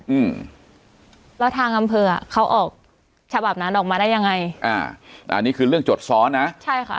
อืมแล้วทางอำเภออ่ะเขาออกฉบับนั้นออกมาได้ยังไงอ่าอันนี้คือเรื่องจดซ้อนนะใช่ค่ะ